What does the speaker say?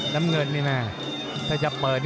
น้ำเงินนี่แม่ถ้าจะเปิด